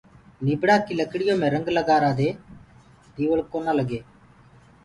نيڀڙآ ڪي لڪڙيو ميڻ رنگ لگآرآ دي ديوݪڪونآ لگي